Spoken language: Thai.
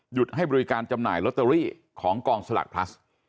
ให้บริการจำหน่ายลอตเตอรี่ของกองสลากพลัส